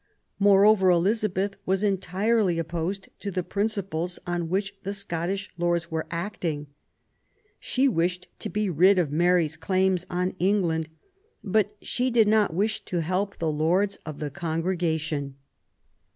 Moreover, Elizabeth was entirely opposed to the principles on which the Scottish Lords were acting ; she wished to be rid of Mary's claims on England, but she did not wish to help the Lords of the Congregation.